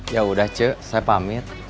yaudah cek saya pamit